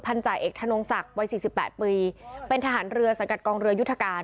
จ่าเอกธนงศักดิ์วัยสี่สิบแปดปีเป็นทหารเรือสังกัดกองเรือยุทธการ